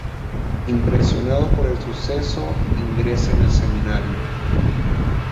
Impresionado por el suceso, ingresa en el Seminario.